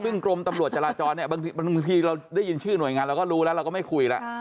ซึ่งกรมตำรวจจราจรเนี่ยบางทีเราได้ยินชื่อหน่วยงานเราก็รู้แล้วเราก็ไม่คุยแล้ว